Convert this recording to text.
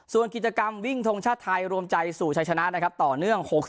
ส่วนกิจกรรมวิ่งทงชาติไทยรวมใจสู่ชายชนะนะครับต่อเนื่อง๖๐